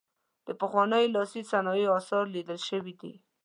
د پخوانیو لاسي صنایعو اثار لیدل شوي دي.